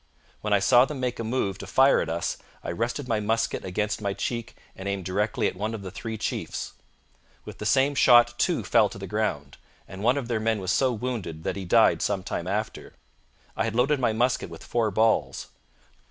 When I saw them make a move to fire at us, I rested my musket against my cheek and aimed directly at one of the three chiefs. With the same shot two fell to the ground; and one of their men was so wounded that he died some time after. I had loaded my musket with four balls.